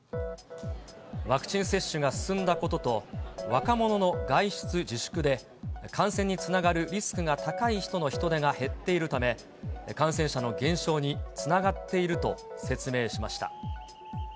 ワクチン接種が進んだことと、若者の外出自粛で、感染につながるリスクが高い人の人出が減っているため、感染者の減少につながっていると説明しました。